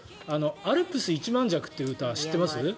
「アルプス一万尺」という歌知ってます？